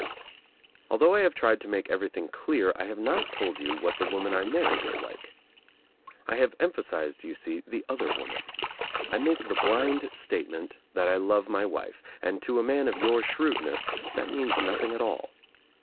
"Although I have tried to make everything clear I have not told you what the woman I married is like. I have emphasized, you see, the other woman. I make the blind statement that I love my wife, and to a man of your shrewdness that means nothing at all.